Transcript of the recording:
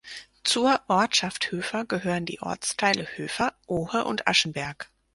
Zur Ortschaft Höfer gehören die Ortsteile Höfer, Ohe und Aschenberg.